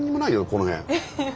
この辺。